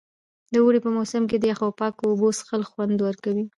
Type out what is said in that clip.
د اوړي په موسم کې د یخو او پاکو اوبو څښل خوند ورکوي.